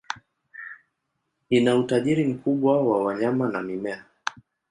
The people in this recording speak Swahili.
Ina utajiri mkubwa wa wanyama na mimea.